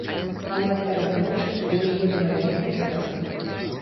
Нават сярод ночы вы яе выганяеце з хаты.